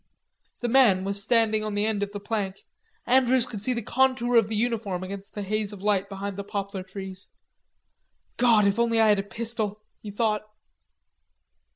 The man was standing on the end of the plank. Andrews could see the contour of the uniform against the haze of light behind the poplar trees. "God, if I only had a pistol," he thought.